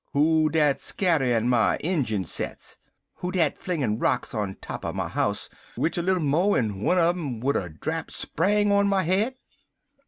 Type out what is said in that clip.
Who dat scatterin' my ingun sets? Who dat flingin' rocks on top er my house, w'ich a little mo' en one un em would er drap spang on my head?"